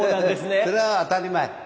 それは当たり前。